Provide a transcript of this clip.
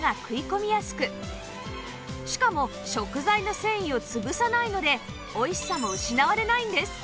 しかも食材の繊維を潰さないのでおいしさも失われないんです